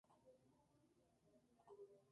Esto se calcula para ser igual a